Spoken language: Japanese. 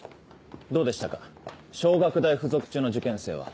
どうでしたか小学大附属中の受験生は。